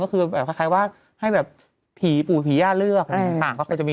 ก็คือแบบคล้ายว่าให้แบบผีปู่ผีย่าเลือก